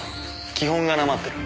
基本がなまってる。